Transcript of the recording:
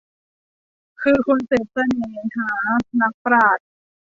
คือคนเสพเสน่หา นักปราชญ์